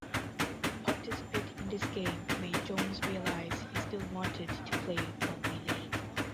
Participating in this game made Jones realise he still wanted to play rugby league.